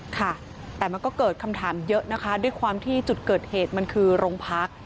ค่ะแต่มันก็เกิดคำถามเยอะนะคะด้วยความที่จุดเกิดเหตุมันคือโรงพัก